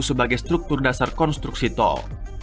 sebagai struktur dasar konstruksi tol